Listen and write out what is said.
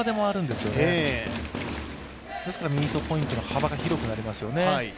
ですからミートポイントの幅が広くなりますよね。